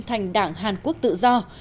thành đảng hàn quốc tự do